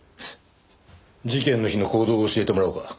事件の日の行動を教えてもらおうか。